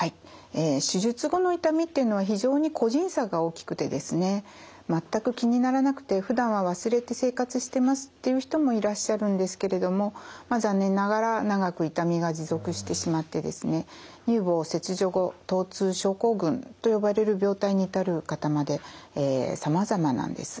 手術後の痛みっていうのは非常に個人差が大きくてですね全く気にならなくてふだんは忘れて生活してますっていう人もいらっしゃるんですけれどもまあ残念ながら長く痛みが持続してしまってですねと呼ばれる病態に至る方までさまざまなんです。